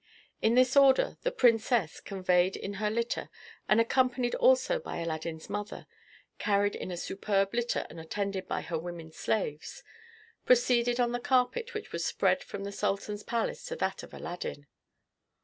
In this order the princess, conveyed in her litter, and accompanied also by Aladdin's mother, carried in a superb litter and attended by her women slaves, proceeded on the carpet which was spread from the sultan's palace to that of Aladdin.